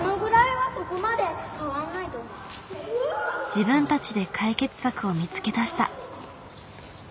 自分たちで解決策を見つけ出した。